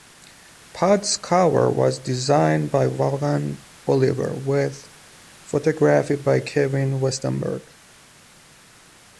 "Pod"s cover was designed by Vaughan Oliver with photography by Kevin Westenberg.